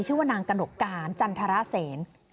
ชื่อว่านางกระหนกการจันทรเซน